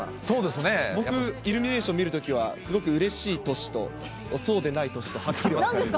僕、イルミネーション見るときはすごくうれしい年と、そうでない年とはっきり分かれるんです。